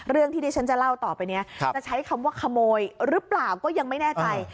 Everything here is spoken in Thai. เรื่องที่ที่ฉันจะเล่าต่อไปนี้จะใช้คำว่าขโมยหรือเปล่าก็ยังไม่แน่ใจ